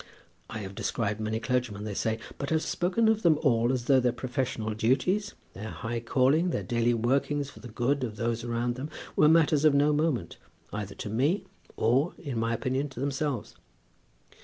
I have described many clergymen, they say, but have spoken of them all as though their professional duties, their high calling, their daily workings for the good of those around them, were matters of no moment, either to me, or, in my opinion, to themselves.